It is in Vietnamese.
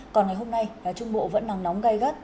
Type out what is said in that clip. còn ngày hôm nay trung bộ vẫn nắng nóng gai gắt